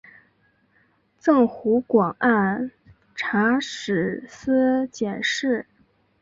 赠湖广按察使司佥事。